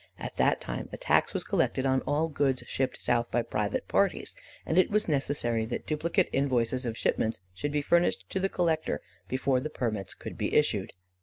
At that time a tax was collected on all goods shipped south by private parties, and it was necessary that duplicate invoices of shipments should be furnished to the collector before the permits could be issued.